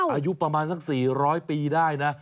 อายุประมาณสัก๔๐๐ปีได้นะ